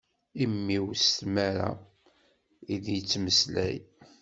Immi-w s tmara i d-yettmeslay.